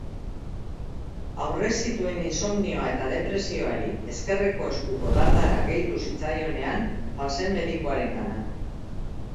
Aurrez zituen insomnioa eta depresioari ezkerreko eskuko dardara gehitu zitzaionean joan zen medikuarengana.